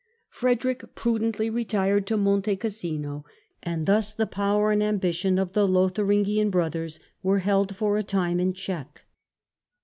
Frederick prudently retired to Monte Cassino, and thus the power and ambition of the Lotharingian brothers were held for a time in check.